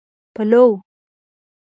پلو